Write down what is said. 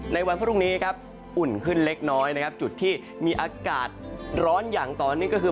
ในวันพรุ่งนี้ครับอุ่นขึ้นเล็กน้อยนะครับจุดที่มีอากาศร้อนอย่างตอนนี้ก็คือ